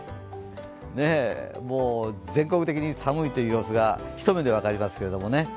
全国的に寒いという様子が一目で分かりますけどね。